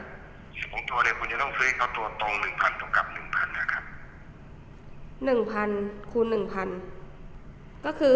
แล้วแต่ละคุณเออคือทั้งเนี้ยเขาไม่ได้ต้องการเงินคุณหรอกค่ะ